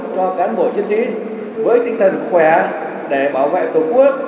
cho cán bộ chiến sĩ với tinh thần khỏe để bảo vệ tổ quốc